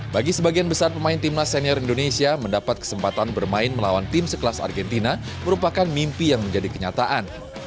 bagi sebagian besar pemain timnas senior indonesia mendapat kesempatan bermain melawan tim sekelas argentina merupakan mimpi yang menjadi kenyataan